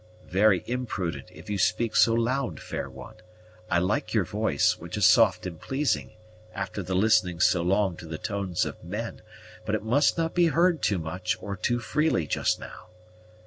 "Very imprudent, if you speak so loud, fair one. I like your voice, which is soft and pleasing, after the listening so long to the tones of men; but it must not be heard too much, or too freely, just now.